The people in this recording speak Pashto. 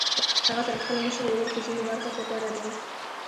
هغه تر خپل مشر ورور په ځينو برخو کې غوره دی.